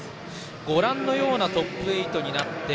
ご覧のようなトップ８になって。